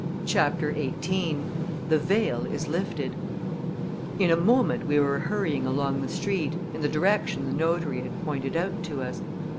CHAPTER XVIII The Veil is Lifted In a moment we were hurrying along the street, in the direction the notary had pointed out to us.